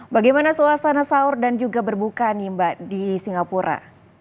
bagaimana suasana sahur dan juga berbuka nih mbak di singapura